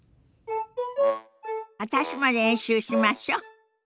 私も練習しましょ。